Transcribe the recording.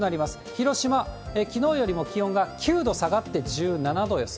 広島、きのうよりも気温が９度下がって１７度予想。